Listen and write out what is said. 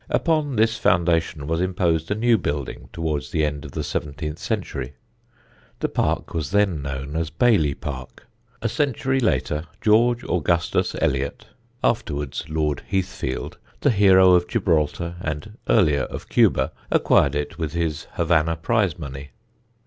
Upon this foundation was imposed a new building towards the end of the seventeenth century. The park was then known as Bailey Park. A century later, George Augustus Eliott (afterwards Lord Heathfield), the hero of Gibraltar, and earlier of Cuba, acquired it with his Havana prize money.